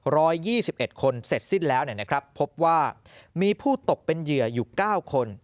ยี่สิบเอ็ดคนเสร็จสิ้นแล้วเนี่ยนะครับพบว่ามีผู้ตกเป็นเหยื่ออยู่เก้าคน